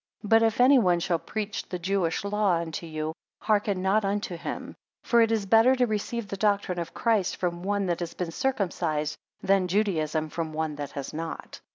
6 But if any one shall preach the Jewish law unto you, hearken not unto him; for it is better to receive the doctrine of Christ from one that has been circumcised, than Judaism from one that has not.